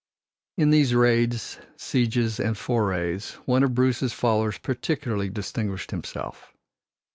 In these raids, sieges and forays one of Bruce's followers particularly distinguished himself.